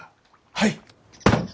はい！